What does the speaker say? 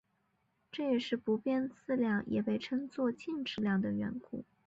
这也是不变质量也被称作静质量的缘故。